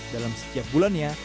dalam setiap bulannya